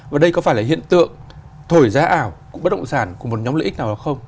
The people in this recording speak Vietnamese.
và đây có phải là hiện tượng thổi giá ảo bất động sản của một nhóm lợi ích nào đó không